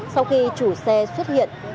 sau khi chủ xe xuất hiện